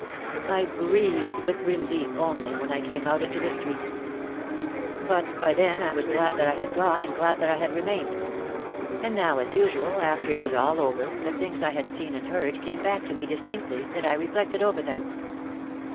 I breathed with relief only when I came out into the street. But by then I was glad that I had gone and glad that I had remained. And now as usual after it was all over the things I had seen and heard came back to me distinctly and I reflected over them.